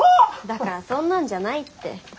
だからそんなんじゃないって。